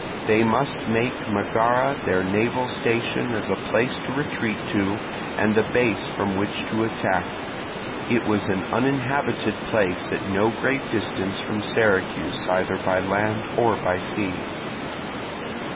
They must make Megara their naval station as a place to retreat to and a base from which to attack: it was an uninhabited place at no great distance from Syracuse either by land or by sea.